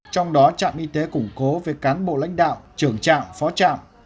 trong đó trạm y tế củng cố với cán bộ lãnh đạo trưởng trạm phó trạm